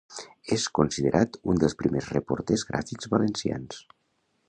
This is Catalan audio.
És considerat un dels primers reporters gràfics valencians.